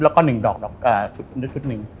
แล้วก็๑ดอก๑ชุด